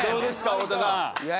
太田さん。